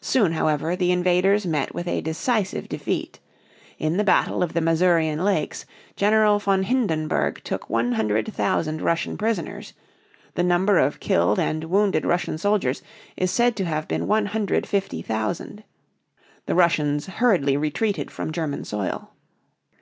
Soon, however, the invaders met with a decisive defeat. In the Battle of the Mazurian Lakes, General Von Hindenburg took 100,000 Russian prisoners; the number of killed and wounded Russian soldiers is said to have been 150,000. The Russians hurriedly retreated from German soil.